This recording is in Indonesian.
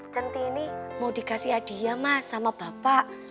centini mau dikasih adiah mas sama bapak